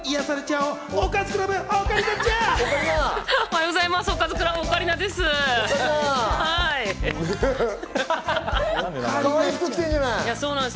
おはようございます。